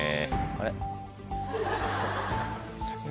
あれ？